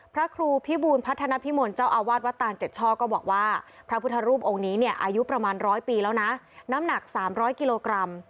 พระครูพิบูลพัฒนภิมลเจ้าอาวาสวัดตานเจ็ดช่อก็บอกว่าพระพุทธรูปองค์นี้เนี่ยอายุประมาณ๑๐๐ปีแล้วนะน้ำหนัก๓๐๐กิโลกรัม